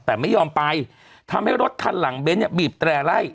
แต่ไม่ยอมไปทำให้รถคันหลังเบ้นเนี่ยบีบแตร่ไล่